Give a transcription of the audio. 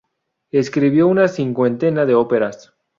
Escribió una cincuentena de óperas.